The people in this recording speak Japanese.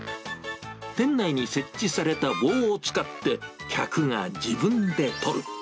店内に設置された棒を使って、客が自分で取る。